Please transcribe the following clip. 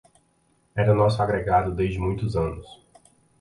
Era nosso agregado desde muitos anos